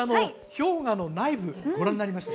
氷河の内部ご覧になりました